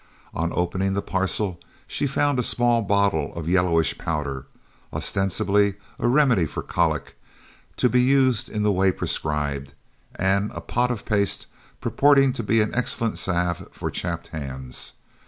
On opening the parcel she found a small bottle of yellowish powder, ostensibly a remedy for colic, to be used in the way prescribed, and a pot of paste purporting to be an excellent salve for chapped hands.